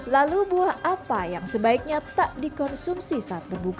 lalu buah apa yang sebaiknya tak dikonsumsi saat berbuka